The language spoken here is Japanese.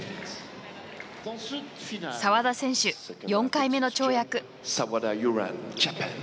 澤田選手、４回目の跳躍。